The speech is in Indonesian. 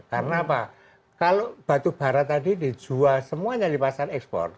karena apa kalau batubara tadi dijual semuanya di pasar ekspor